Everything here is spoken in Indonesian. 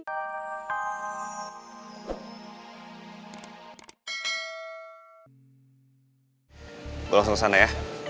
gue langsung kesana ya